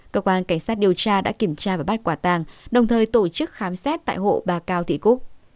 cơ quan cảnh sát điều tra đã kiểm tra và bắt quả tàng đồng thời tổ chức khám xét tại hộ bà cao thị cúc